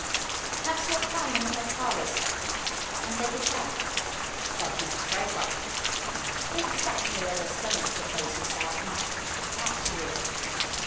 "Perhaps you'll come into my parlour, sir, and take a chair?" said Mrs. Raybrock. "Ex actly what I was going to propose myself, ma'am. After you."